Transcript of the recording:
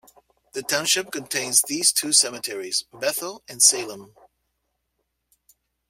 The township contains these two cemeteries: Bethel and Salem.